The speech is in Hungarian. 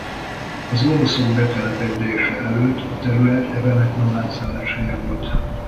Az oroszok betelepedése előtt a terület evenek nomád szálláshelye volt.